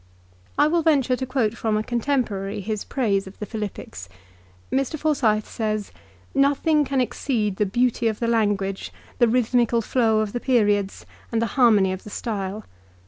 I will venture to quote from a contemporary his praise of the Philippics. Mr. Forsyth says, " Nothing can exceed the beauty of the language, the rhythmical flow of the periods, and the harmony of the style.